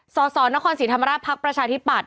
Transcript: สสนครศรีธรรมราชภักดิ์ประชาธิปัตย